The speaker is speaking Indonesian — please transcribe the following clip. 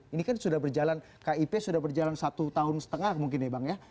ini kan sudah berjalan kip sudah berjalan satu tahun setengah mungkin ya bang ya